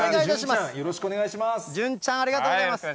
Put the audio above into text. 潤ちゃん、ありがとうございます。